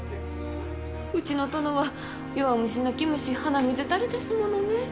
うちの殿は弱虫泣き虫鼻水垂れですものね。